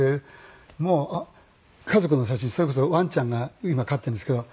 もう家族の写真それこそワンちゃんが今飼ってるんですけど。